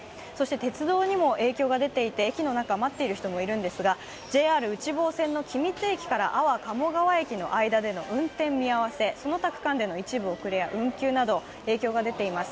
鉄道にも影響が出ていて駅の中待っている人もいるんですがＪＲ内房線の君津駅から安房鴨川駅の運転見合わせ、その他区間での一部遅れや運休などの影響が出ています。